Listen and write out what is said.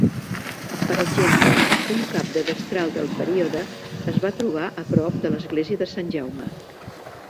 Per exemple, un cap de destral del període es va trobar a prop de l'Església de Sant Jaume.